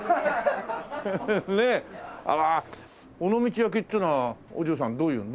尾道焼きっていうのはお嬢さんどういうの？